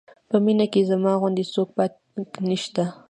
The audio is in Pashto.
په مینه کې زما غوندې څوک پاک نه شته.